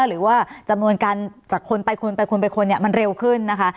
หรือว่าจำนวนการจากคนไปคนไปคนไปคนเนี่ยมันเร็วขึ้นนะคะ